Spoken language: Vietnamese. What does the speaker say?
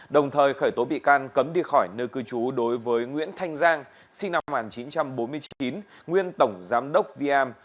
đồng thời khởi tố bị can cấm đi khỏi nơi cư trú đối với nguyễn thanh giang sinh năm một nghìn chín trăm bốn mươi chín nguyên tổng giám đốc vm